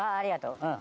うん